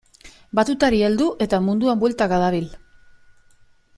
Batutari heldu eta munduan bueltaka dabil.